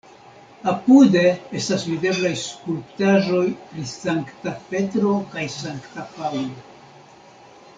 Apude estas videblaj skulptaĵoj pri Sankta Petro kaj Sankta Paŭlo.